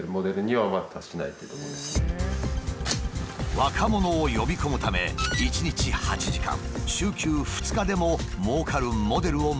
若者を呼び込むため１日８時間週休２日でももうかるモデルを模索している。